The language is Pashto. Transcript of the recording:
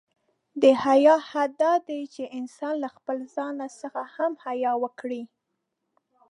د حیا حد دا دی، چې انسان له خپله ځان څخه هم حیا وکړي.